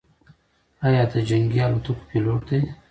ایا ده د جنګي الوتکو پیلوټ دی؟